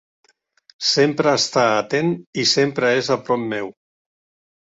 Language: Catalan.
Sempre està atent i sempre és a prop meu.